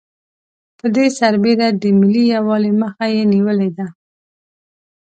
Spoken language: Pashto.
پر دې سربېره د ملي یوالي مخه یې نېولې ده.